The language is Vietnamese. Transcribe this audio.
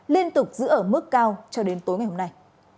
liên tục giữ ở mức cao cho đến tối ngày hôm nay